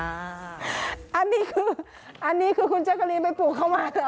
อันนี้คือคุณแจ๊กกะลีไปปลูกเข้ามาหรือ